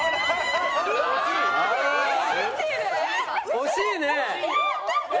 惜しいね！